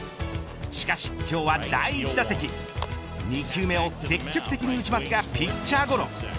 しかし今日は第１打席２球目を積極的に打ちますがピッチャーゴロ。